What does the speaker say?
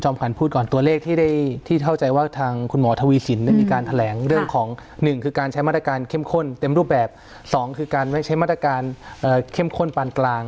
มาตรการเข้มข้นเต็มรูปแบบสองคือการใช้มาตรการเข้มข้นปานกลาง